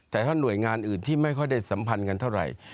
แต่ถ้าหน่วยงานอื่นที่ไม่ค่อยได้สัมพันธ์กันเท่าไหร่